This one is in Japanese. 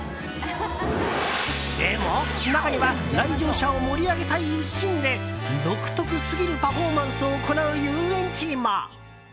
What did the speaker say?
でも、中には来場者を盛り上げたい一心で独特すぎるパフォーマンスを行う遊園地も。